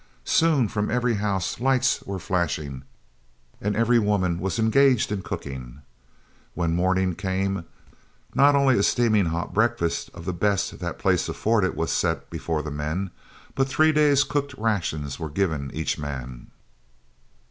Soon from every house lights were flashing, and every woman was engaged in cooking. When morning came, not only a steaming hot breakfast of the best that the place afforded was set before the men, but three days' cooked rations were given each man.